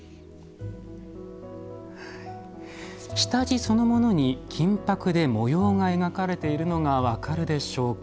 下地そのものに金箔で模様が描かれているのが分かるでしょうか。